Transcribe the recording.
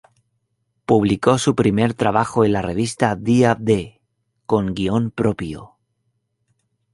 Publicó su primer trabajo en la revista "Día D", con guion propio.